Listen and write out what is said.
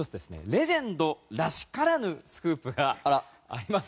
レジェンドらしからぬスクープがあります。